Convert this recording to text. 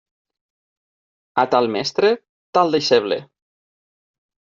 A tal mestre, tal deixeble.